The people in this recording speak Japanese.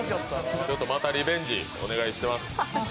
またリベンジお願いします。